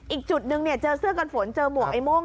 อีกจุดนึงเจอเสื้อกันฝนเจอหมวกไอ้โม่ง